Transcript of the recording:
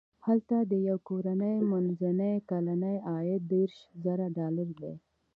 هلته د یوې کورنۍ منځنی کلنی عاید دېرش زره ډالر دی.